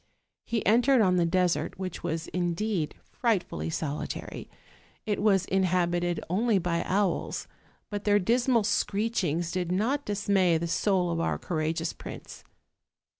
He entered on the desert, which was indeed frightfully solitary: it Avas inhabited only by owls, but their dismal screechings did not dismay the soul of our courageous prince.